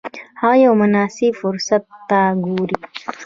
هغه یو مناسب فرصت ته ګوري.